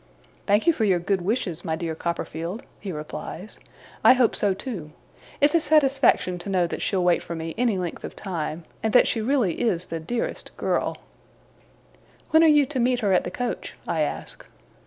'Thank you for your good wishes, my dear Copperfield,' he replies. 'I hope so too. It's a satisfaction to know that she'll wait for me any length of time, and that she really is the dearest girl ' 'When are you to meet her at the coach?' I ask.